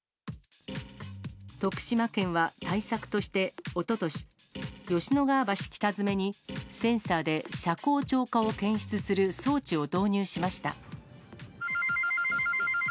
徳島県は対策として、おととし、吉野川橋北詰に、センサーで車高超過を検出する装置を導入しました。